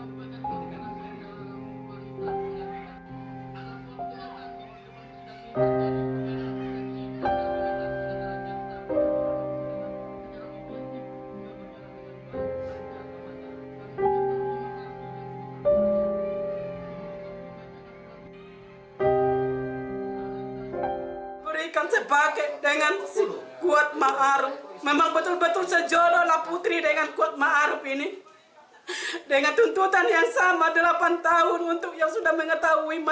bagi diberikan inan yang seandainya dihanyam